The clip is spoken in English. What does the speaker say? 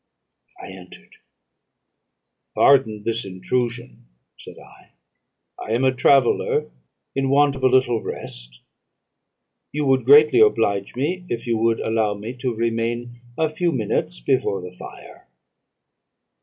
"I entered; 'Pardon this intrusion,' said I: 'I am a traveller in want of a little rest; you would greatly oblige me, if you would allow me to remain a few minutes before the fire.'